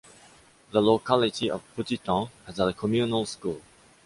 The locality of Petit-Han has a communal school.